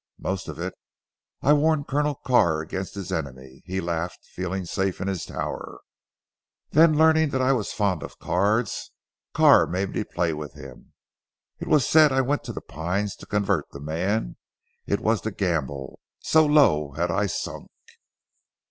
"Most of it. I warned Colonel Carr against his enemy. He laughed, feeling safe in his tower. Then learning that I was fond of cards, Carr made me play with him. It was said that I went to 'The Pines' to convert the man. It was to gamble so low had I sunk."